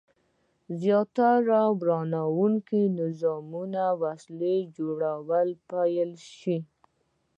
زیاتو ورانوونکو نظامي وسلو جوړول پیل شو.